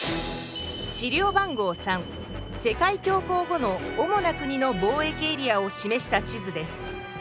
資料番号３世界恐慌後の主な国の貿易エリアを示した地図です。